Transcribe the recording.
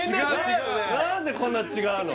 何でこんな違うの？